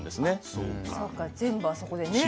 そうか全部あそこでね。